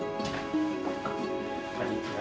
こんにちは。